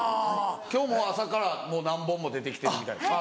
今日も朝からもう何本も出て来てるみたい。